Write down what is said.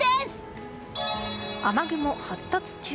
雨雲発達中。